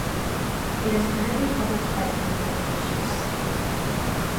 It is currently published by Penny Publications.